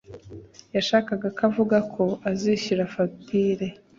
yashakaga ko avuga ko azishyura fagitire